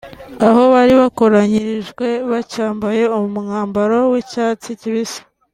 aho bari bakoranyirijwe bacyambaye umwambaro w’icyatsi kibisi